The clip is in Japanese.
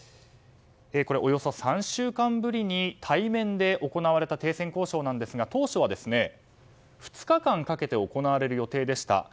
およそ３週間ぶりに対面で行われた停戦交渉ですが当初は２日間かけて行われる予定でした。